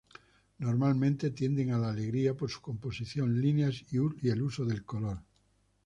Normalmente tienden a la alegría por su composición, líneas y el uso del color.